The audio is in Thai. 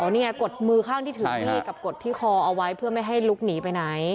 นี่ไงกดมือข้างที่ถือมีดกับกดที่คอเอาไว้เพื่อไม่ให้ลุกหนีไปไหน